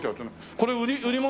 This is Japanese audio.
これ売り物？